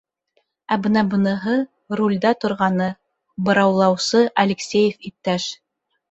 Ә бына быныһы, рулдә торғаны, быраулаусы Алексеев иптәш.